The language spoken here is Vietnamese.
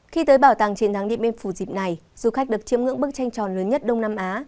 khi tới bảo tàng chiến thắng điện biên phủ dịp này du khách được chiêm ngưỡng bức tranh tròn lớn nhất đông nam á